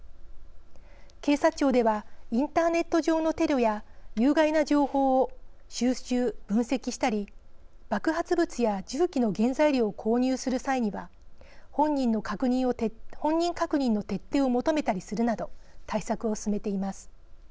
警察庁ではインターネット上のテロや有害な情報を収集、分析したり爆発物や銃器の原材料を購入する際には本人確認の徹底を求めたりするなど対策を進めています。